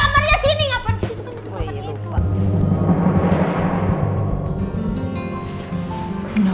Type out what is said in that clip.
gapapa di situ kan itu kamarnya